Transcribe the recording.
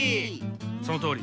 そのとおり。